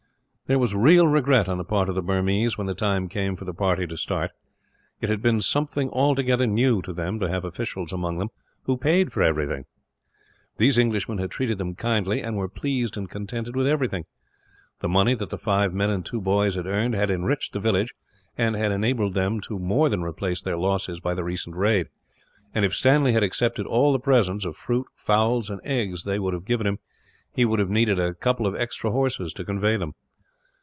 There was real regret, on the part of the Burmese, when the time came for the party to start. It had been something altogether new to them to have officials among them who paid for everything. These Englishmen had treated them kindly, and were pleased and contented with everything. The money that the five men and two boys had earned had enriched the village, and had enabled them to more than replace their losses by the recent raid and, if Stanley had accepted all the presents of fruit, fowls, and eggs they would have given him, he would have needed a couple of extra horses to convey them.